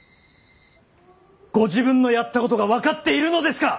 ご自分のやったことが分かっているのですか！